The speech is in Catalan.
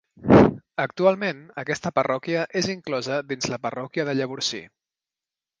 Actualment aquesta parròquia és inclosa dins la parròquia de Llavorsí.